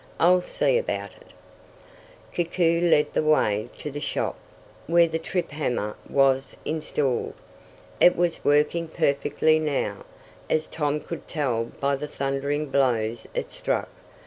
I'll see about it." Koku led the way to the shop where the triphammer was installed. It was working perfectly now, as Tom could tell by the thundering blows it struck.